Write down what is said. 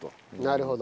なるほど。